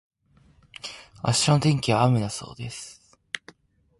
明日の天気は雨だそうです。